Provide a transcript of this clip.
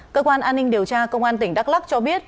cơ quan an ninh điều tra công an tỉnh đắk lắc cho biết